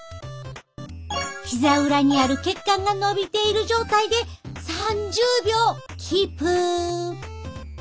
ひざ裏にある血管がのびている状態で３０秒キープ。